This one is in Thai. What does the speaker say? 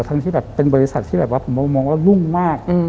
ทั้งที่เป็นบริษัทที่ผมมองว่ารุ่งมาก